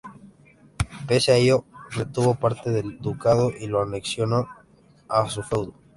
Pese a ello, retuvo parte del ducado y lo anexionó a su feudo.